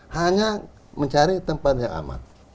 hanya mencari tempat yang aman